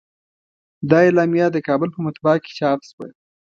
دا اعلامیه د کابل په مطبعه کې چاپ شوه.